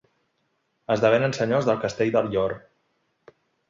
Esdevenen senyors del castell del Llor.